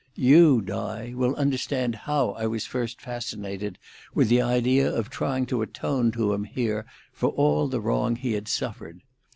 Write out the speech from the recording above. You, Di, will understand how I was first fascinated with the idea of trying to atone to him here for all the wrong he had suffered.